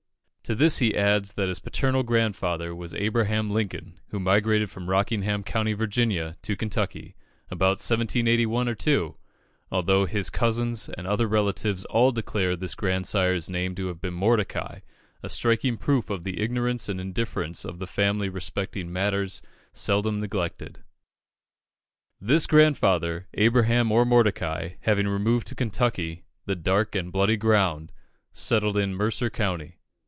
To this he adds that his paternal grandfather was Abraham Lincoln, who migrated from Rockingham, County Virginia, to Kentucky, "about 1781 or 2," although his cousins and other relatives all declare this grandsire's name to have been Mordecai a striking proof of the ignorance and indifference of the family respecting matters seldom neglected. This grandfather, Abraham or Mordecai, having removed to Kentucky, "the dark and bloody ground," settled in Mercer County.